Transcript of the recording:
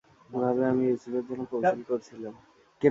এভাবে আমি ইউসুফের জন্যে কৌশল করেছিলাম।